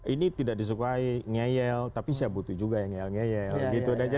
ini tidak disukai ngeyel tapi saya butuh juga yang ngeyel ngeyel gitu aja